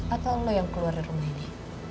atau allah yang keluar dari rumah ini